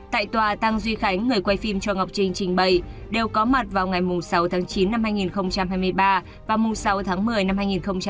tại tòa tăng duy khánh người quay phim cho ngọc trinh trình bày đều có mặt vào ngày sáu chín hai nghìn hai mươi ba và sáu một mươi hai nghìn hai mươi ba